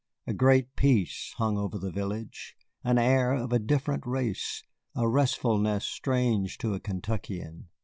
A great peace hung over the village, an air of a different race, a restfulness strange to a Kentuckian.